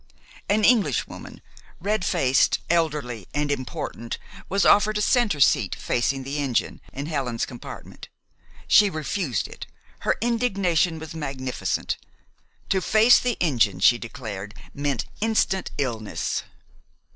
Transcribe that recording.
An Englishwoman, red faced, elderly, and important, was offered a center seat, facing the engine, in Helen's compartment. She refused it. Her indignation was magnificent. To face the engine, she declared, meant instant illness.